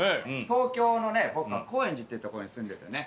東京の僕は高円寺ってとこに住んでてね。